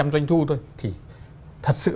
doanh thu thôi thì thật sự